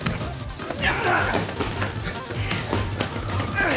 うっ！